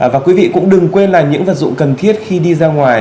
và quý vị cũng đừng quên là những vật dụng cần thiết khi đi ra ngoài